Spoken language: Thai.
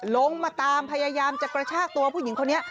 ลงมาตามพยายามจะกระชากตัวผู้หญิงคนนี้